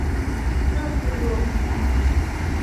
เครื่องปรุงรส